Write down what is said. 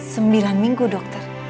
sembilan minggu dokter